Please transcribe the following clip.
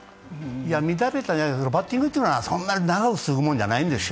乱れたんじゃない、バッティングというのはそんなに長く続くものじゃないんですよ。